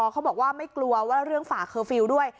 เขาบอกว่าไม่กลัวว่าเรื่องฝ่าเคอร์ฟิลล์ด้วย